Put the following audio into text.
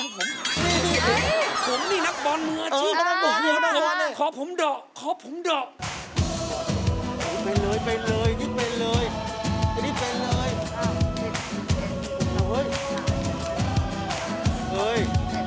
อันนี้เป็นเลย